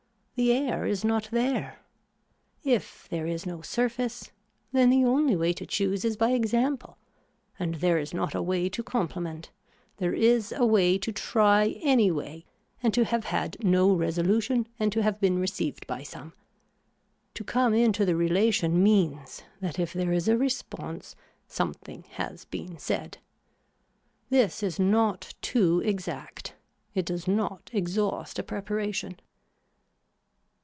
The air is not there. If there is no surface then the only way to choose is by example and there is not a way to compliment, there is a way to try any way and to have had no resolution and to have been received by some. To come into the relation means that if there is a response something has been said. This is not too exact. It does not exhaust a preparation.